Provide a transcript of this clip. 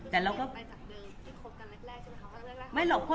แต่เราก็ไปจากเดิมที่คบกันแรกใช่ไหมคะ